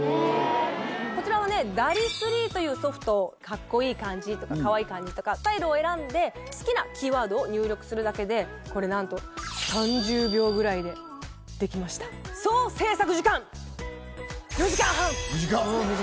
こちらは ＤＡＬＬ ・ Ｅ３ というソフトをカッコいい感じとかかわいい感じとかスタイルを選んで好きなキーワードを入力するだけでこれなんと３０秒ぐらいでできました。動画？